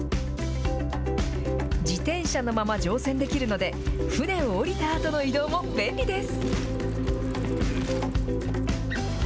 自転車のまま乗船できるので、船を降りたあとの移動も便利です。